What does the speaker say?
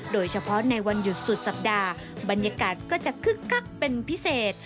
โดยเฉพาะในวันหยุดสุดสัปดาห์บรรยากาศก็จะคึกคักเป็นพิเศษ